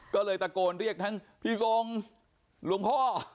ก็เลยตะโกนเรียกทั้งพี่ทรงหลวงพ่อ